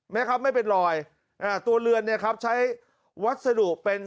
ไหมครับไม่เป็นรอยอ่าตัวเรือนเนี่ยครับใช้วัสดุเป็น